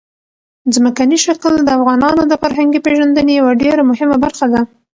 ځمکنی شکل د افغانانو د فرهنګي پیژندنې یوه ډېره مهمه برخه ده.